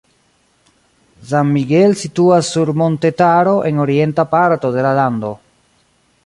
San Miguel situas sur montetaro en orienta parto de la lando.